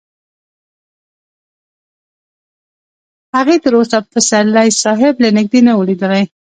هغې تر اوسه پسرلي صاحب له نږدې نه و لیدلی